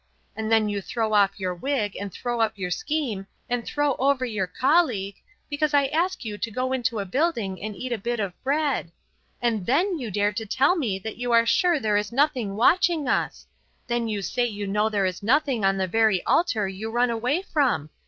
And then you throw off your wig and throw up your scheme and throw over your colleague, because I ask you to go into a building and eat a bit of bread. And then you dare to tell me that you are sure there is nothing watching us. Then you say you know there is nothing on the very altar you run away from.